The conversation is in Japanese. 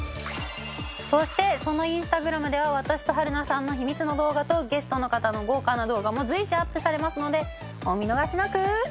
そしてそのインスタグラムでは私と春菜さんの秘密の動画とゲストの方の豪華な動画も随時アップされますのでお見逃しなく！